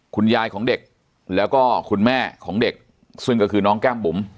คุณยายของเด็กแล้วก็คุณแม่ของเด็กซึ่งก็คือน้องแก้มบุ๋ม